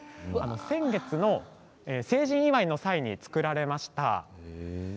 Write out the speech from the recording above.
先月の成人祝いの際に作られました。